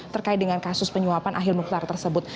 terkait dengan kasus penyuapan ahli mukhtar tersebut